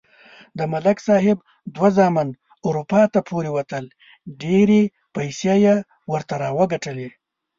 د ملک صاحب دوه زامن اروپا ته پورې وتل. ډېرې پیسې یې ورته راوگټلې.